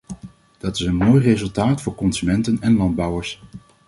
Dat is een mooi resultaat voor consumenten en landbouwers.